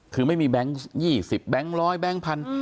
คือไม่มีแบงค์๒๐แบงค์ร้อยแบงค์พัน